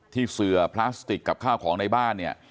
ที่เสือพลาสติกกับข้าวของในบ้านเนี่ย